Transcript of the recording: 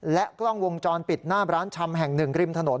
กล้องวงจรปิดหน้าร้านชำแห่งหนึ่งริมถนน